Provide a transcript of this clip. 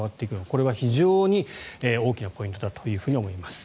これは非常に大きなポイントだと思います。